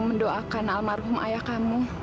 mendoakan almarhum ayah kamu